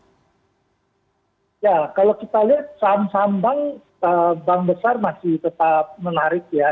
ya kalau kita lihat saham saham bank besar masih tetap menarik ya